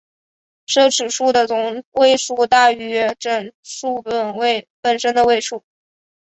奢侈数的总位数大于整数本身的位数。